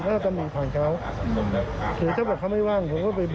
เตือนคุณแนนหน่อยว่าอย่าไม่ค่อยทำแบบนี้